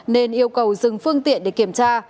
nên yêu cầu dừng phương tiện để kiểm tra